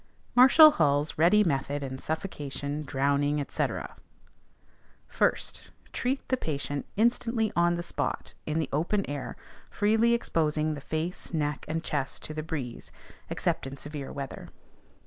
MARSHALL HALL'S READY METHOD IN SUFFOCATION, DROWNING, ETC. 1st, Treat the patient instantly on the spot, in the open air, freely exposing the face, neck, and chest to the breeze, except in severe weather.